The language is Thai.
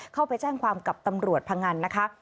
เข้าไปแจ้งความกับตำรวจพงันนะคะ